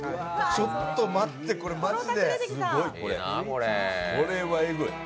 ちょっと待って、これマジでうわ！